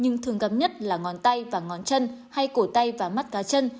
nhưng thường gặp nhất là ngón tay và ngón chân hay cổ tay và mắt cá chân